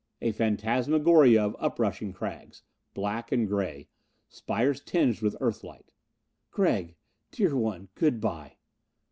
A phantasmagoria of uprushing crags. Black and gray. Spires tinged with Earth light. "Gregg, dear one good by."